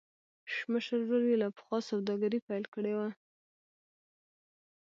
مشر ورور يې لا پخوا سوداګري پيل کړې وه.